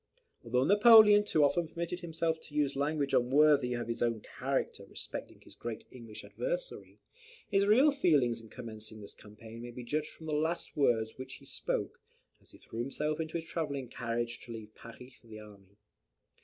Although Napoleon too often permitted himself to use language unworthy of his own character respecting his great English adversary, his real feelings in commencing this campaign may be judged from the last words which he spoke, as he threw himself into his travelling carriage to leave Paris for the army.